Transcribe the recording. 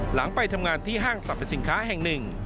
ไปทำงานที่ห้างสรรพสินค้าแห่งหนึ่ง